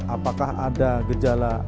apakah ada gejala